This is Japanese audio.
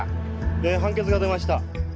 判決が出ました。